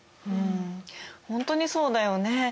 うん本当にそうだよね。